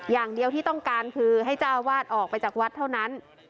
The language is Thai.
อย่างเดียวที่ต้องการคือให้เจ้าวาดออกไปจากวัดเท่านั้น